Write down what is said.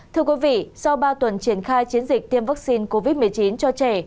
thưa quý vị sau ba tuần triển khai chiến dịch tiêm vaccine covid một mươi chín cho trẻ